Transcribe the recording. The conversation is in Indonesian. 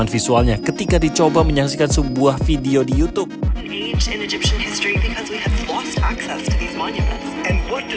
visualnya ketika dicoba menyaksikan sebuah video di youtube